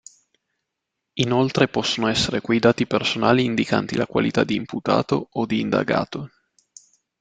Inoltre possono essere quei dati personali indicanti la qualità di imputato o di indagato.